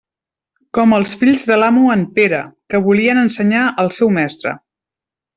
Com els fills de l'amo en Pere, que volien ensenyar el seu mestre.